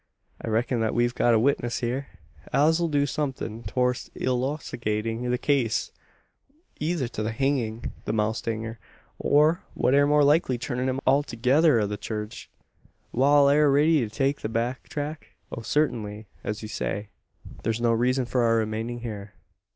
I reck'n thet we've got a witness hyur, as 'll do somethin' torst illoocidatin' the case either to the hangin' the mowstanger, or, what air more likely, clurrin' him althogither o' the churge. Wal, air ye riddy to take the back track?" "Oh, certainly. As you say, there's no reason for our remaining here."